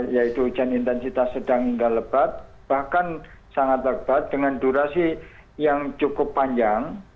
yaitu hujan intensitas sedang hingga lebat bahkan sangat lebat dengan durasi yang cukup panjang